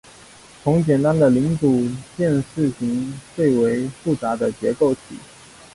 从简单的零组件型式最为复杂的结构体。